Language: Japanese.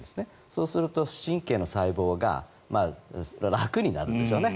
そうすると神経の細胞が楽になるんですよね。